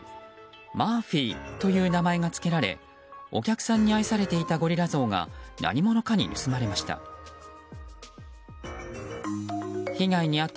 マーフィーという名前が付けられお客さんに愛されていたゴリラ像が何者かに盗まれました。